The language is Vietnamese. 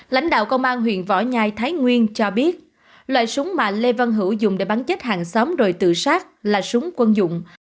lãnh đạo công an huyện võ nhai thái nguyên cho biết loại súng mà lê văn hữu dùng để bắn chết hàng xóm rồi tự sát là súng quân dụng